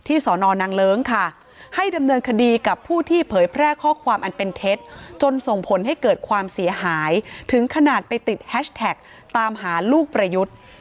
สอนอนางเลิ้งค่ะให้ดำเนินคดีกับผู้ที่เผยแพร่ข้อความอันเป็นเท็จจนส่งผลให้เกิดความเสียหายถึงขนาดไปติดแฮชแท็กตามหาลูกประยุทธ์